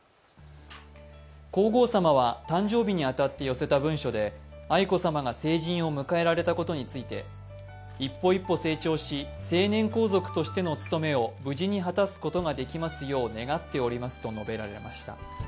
皇后さまは誕生日に当たって寄せた文書で愛子さまが成人を迎えられたことについて一歩一歩成長し、成年皇族としての務めを無事に果たすことができますよう願っておりますと述べられました。